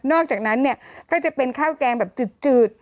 อกจากนั้นเนี่ยก็จะเป็นข้าวแกงแบบจืด